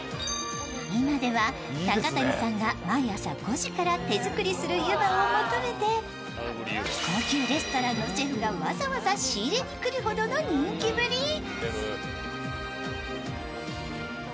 今では高谷さんが毎朝５時から手作りする湯葉を求めて高級レストランのシェフがわざわざ仕入れに来るほどの人気ぶり。